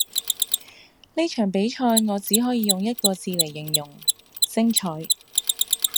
呢場比賽我只可以用一個字黎形容,精采